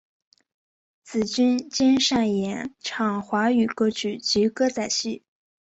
紫君兼擅演唱华语歌曲及歌仔戏。